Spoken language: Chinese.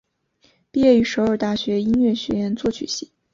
毕业于首尔大学音乐学院作曲系。